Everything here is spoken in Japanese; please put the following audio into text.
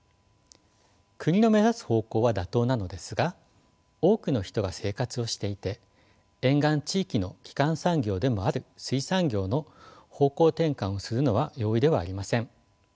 国の目指す方向は妥当なのですが多くの人が生活をしていて沿岸地域の基幹産業でもある水産業の方向転換をするのは容易ではありません。